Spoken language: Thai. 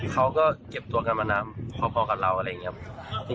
เขาก็เก็บตัวกันมานานพอกับเราอะไรอย่างนี้ครับ